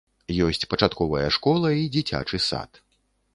Ёсць пачатковая школа і дзіцячы сад.